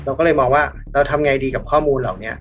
เราก็เลยมองว่าเราทำไงดีกับข้อมูลเหล่านี้